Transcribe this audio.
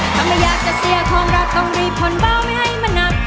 ถ้าไม่อยากจะเสียความรักต้องรีบทนเบาไม่ให้มันหนัก